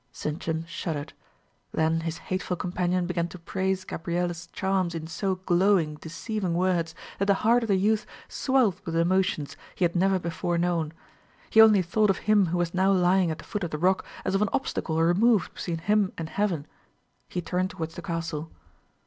Sintram shuddered. Then his hateful companion began to praise Gabrielle's charms in so glowing, deceiving words, that the heart of the youth swelled with emotions he had never before known. He only thought of him who was now lying at the foot of the rock as of an obstacle removed between him and heaven: he turned towards the castle.